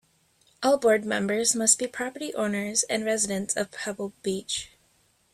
All board members must be property owners and residents of Pebble Beach.